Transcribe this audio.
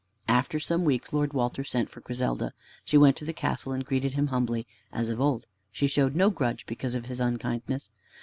After some weeks Lord Walter sent for Griselda. She went to the castle and greeted him humbly as of old. She showed no grudge because of his unkindness.